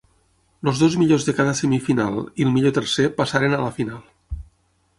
Els dos millors de cada semifinal i el millor tercer passaren a la final.